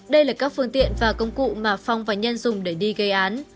đây là các phương tiện và công cụ mà phong và nhân dùng để đi gây án